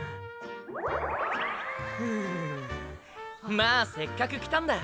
まあせっかく来たんだ。